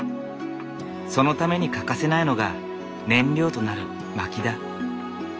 そのために欠かせないのが燃料となる薪だ。